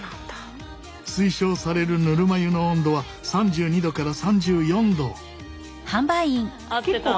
推奨されるぬるま湯の温度は３２℃から３４℃。